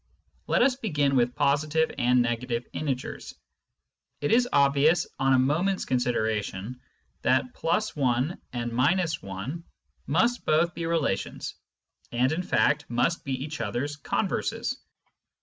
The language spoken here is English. Let us begin with positive and negative integers. It is obvious on a moment's consideration that +1 and — 1 must both be relations, and in fact must be each other's converses.